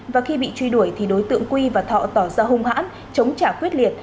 và khi bị truy đuổi thì đối tượng quy và thọ tỏ ra hung hãn chống trả quyết liệt